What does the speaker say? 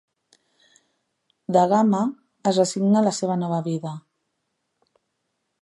Da Gama es resigna a la seua nova vida.